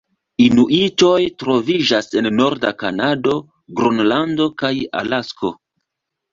Inuitoj troviĝas en norda Kanado, Gronlando kaj Alasko.